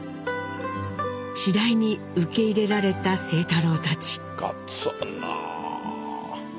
次第に受け入れられた清太郎たち。